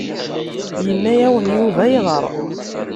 Yenna-yawen Yuba ayɣer?